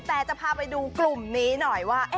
แต่จะพาไปดูกลุ่มนี้หน่อยว่า